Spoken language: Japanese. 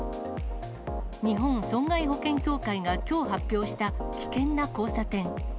日本損害保険協会がきょう発表した危険な交差点。